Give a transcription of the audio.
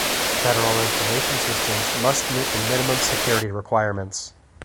Federal information systems must meet the minimum security requirements.